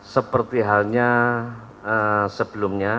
seperti halnya sebelumnya